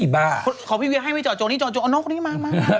พอพี่เวียให้ไว้เจาะจงเอานอกนี่มา